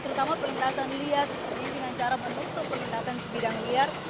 terutama perlintasan liar seperti ini dengan cara menutup perlintasan sebidang liar